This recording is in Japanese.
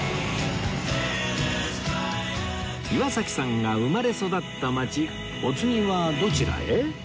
岩崎さんが生まれ育った街お次はどちらへ？